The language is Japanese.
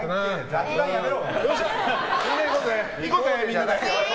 雑談やめろ！